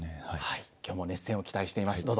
はい今日も熱戦を期待しています。